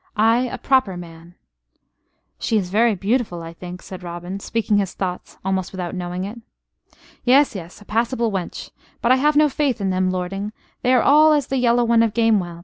Ay, a proper man " "She is very beautiful, I think," said Robin, speaking his thoughts almost without knowing it. "Yes, yes, a passable wench. But I have no faith in them, lording. They are all as the Yellow One of Gamewell.